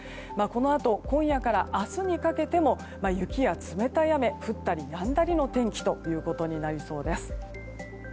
このあと今夜から明日にかけても雪や冷たい雨が降ったりやんだりの天気となりそうです。